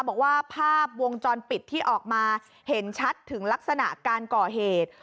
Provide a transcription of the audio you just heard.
บอกว่าภาพวงจรปิดที่ออกมาเห็นชัดถึงลักษณะการก่อเหตุ